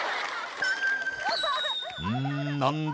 うん何だ？